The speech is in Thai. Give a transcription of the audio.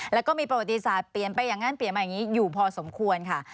แล้วก็มีประวัติศาสตร์เปลี่ยนไปอย่างนั้นเปลี่ยนมาอย่างนี้อยู่พอสมควรค่ะ